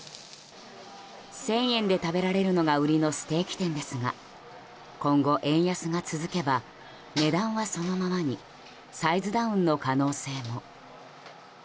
１０００円で食べられるのが売りのステーキ店ですが今後、円安が続けば値段はそのままにサイズダウンの可能性も。